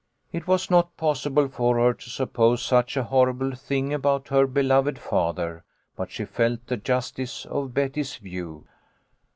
It was not possible for her to suppose such a horrible thing about her beloved father, but she felt the justice of Betty's view.